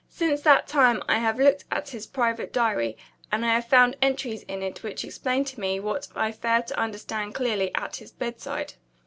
Since that time I have looked at his private diary; and I have found entries in it which explain to me what I failed to understand clearly at his bedside.